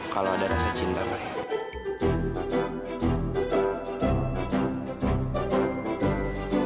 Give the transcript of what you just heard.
kalau ada rasa cinta